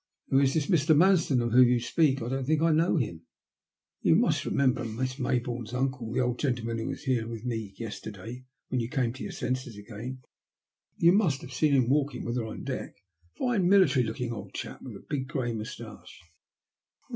"" Who is this Mr. Manstone of whom you speak ? I don't think I know him." 128 THE LUST OF HATE. *' Why you must remember, he's Miss Maybomne's uncle — the old gentleman who was in here with me yesterday when you came to your senses again. You must have seen him walking with her on deck — a fine, military.looking old chap, with a big grey moustache."